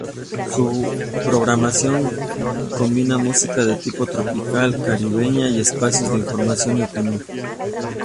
Su programación combina música de tipo tropical-caribeña y espacios de información y opinión.